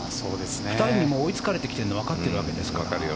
２人に追いつかれてきてるのは分かってるわけですから。